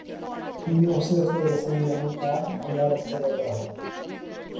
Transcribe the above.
তিনি অসীয়ত করে গেছেন যেন তা আল্লাহর রাস্তায় ব্যবহার করা হয়।